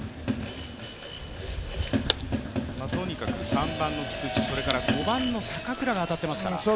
とにかく３番の菊池、そして５番の坂倉が当たっていますから。